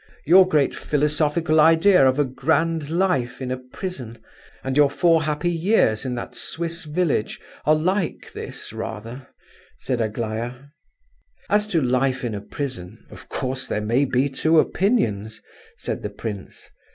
Your great philosophical idea of a grand life in a prison and your four happy years in that Swiss village are like this, rather," said Aglaya. "As to life in a prison, of course there may be two opinions," said the prince.